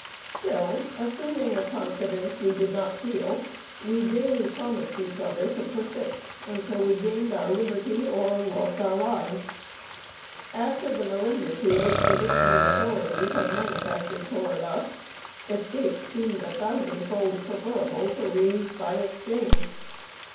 Still, assuming a confidence we did not feel, we daily promised each other to persist until we gained our liberty or lost our lives. After the malignity which the Richmond authorities had manifested toward us, escape seemed a thousand fold preferable to release by exchange.